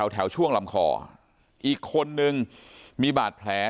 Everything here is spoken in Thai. แถวช่วงลำคออีกคนนึงมีบาดแผล